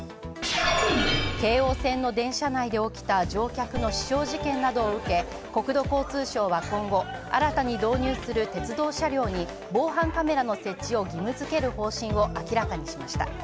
京王線の電車内で起きた乗客の刺傷事件などを受け、国土交通省は今後新たに導入する鉄道車両に防犯カメラの設置を義務づける方針を明らかにしました。